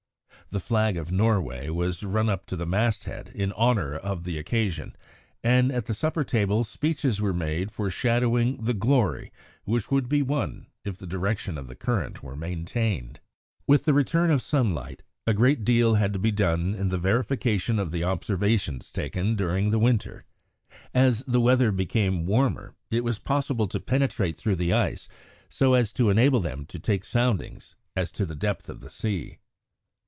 The flag of Norway was run up to the masthead in honour of the occasion, and at the supper table speeches were made foreshadowing the glory which would be won if the direction of the current were maintained. With the return of sunlight a great deal had to be done in the verification of the observations taken during the winter. As the weather became warmer it was possible to penetrate through the ice so as to enable them to take soundings as to the depth of the sea.